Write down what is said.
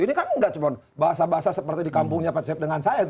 ini kan nggak cuma bahasa bahasa seperti di kampungnya pak cep dengan saya